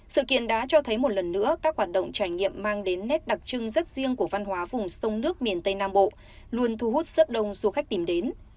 sự kiện đã cho thấy một lần nữa các hoạt động trải nghiệm mang đến nét đặc trưng rất riêng của văn hóa vùng sông nước miền tây nam bộ luôn thu hút rất đông du khách tìm đến